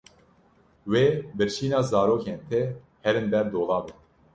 Wê birçîna zarokên te herin ber dolabê.